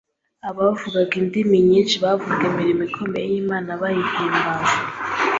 Abavuganga mu ndimi nyishi bavugaga imirimo ikomeye y’Imana bayihimbaza